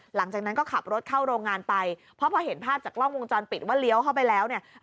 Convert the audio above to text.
หลังจากนั้นก็ขับรถเข้าโรงงานไปเพราะพอเห็นภาพจากกล้องวงจรปิดว่าเลี้ยวเข้าไปแล้วเนี่ย